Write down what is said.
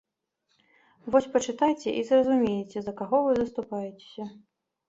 Вось пачытайце, і зразумееце, за каго вы заступаецеся.